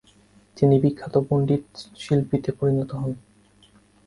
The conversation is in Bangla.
তিনি বিখ্যাত পণ্ডিত শিল্পীতে পরিণত হন।